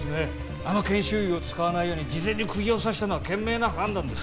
あの研修医を使わないように事前にクギをさしたのは賢明な判断です